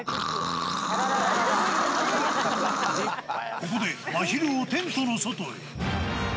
ここで、まひるをテントの外へ。